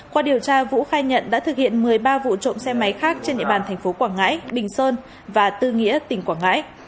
qua điều tra vũ khai nhận đã thực hiện một mươi ba vụ trộm xe máy khác trên địa bàn thành phố quảng ngãi bình sơn và tư nghĩa tỉnh quảng ngãi